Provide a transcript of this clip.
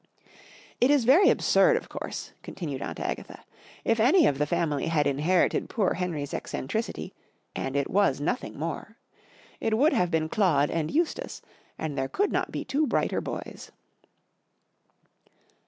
It is very absurd, of course/' continued Aunt Agatha. " If any of the family had inherited poor Henry's eccentricity—and it was nothing more—it would have been Claude and Eustace, and there could not be two brighter boys."